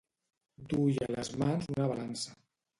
Duia a les mans una balança.